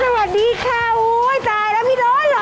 สวัสดีค่ะตายแล้วมีร้อนหรอ